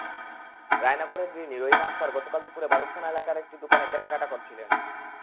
রায়নগরের গৃহিণী রহিমা আক্তার গতকাল দুপুরে বারুতখানা এলাকার একটি দোকানে কেনাকাটা করছিলেন।